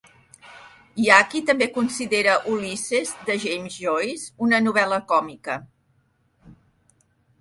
Hi ha qui també considera "Ulisses" de James Joyce una novel·la còmica.